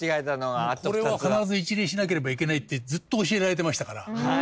これは必ず一礼しなければいけないってずっと教えられてましたから。